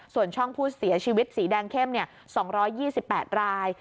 ส่วนช่องผู้เสียชีวิตสีแดงเข้ม๒๒๘ราย